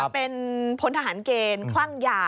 เป็นพลทหารเกณฑ์คลั่งยา